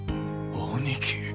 兄貴。